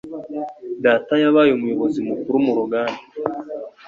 Data yabaye umuyobozi mukuru mu ruganda.